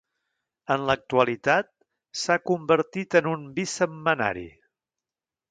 En l'actualitat, s’ha convertit en un bisetmanari.